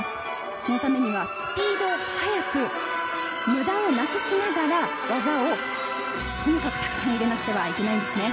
そのためにはスピードを速く無駄をなくしながら技をとにかくたくさん入れなくてはならないんです。